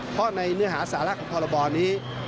เพราะในเนื้อหาสาระของพรบนี้